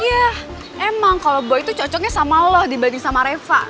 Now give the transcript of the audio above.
yah emang kalau boy tuh cocoknya sama lo dibanding sama reva